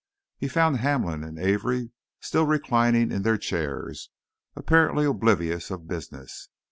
He found Hamlin and Avery still reclining in their chairs, apparently oblivious of business.